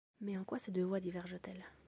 Mais en quoi ces deux voies divergent-elles ?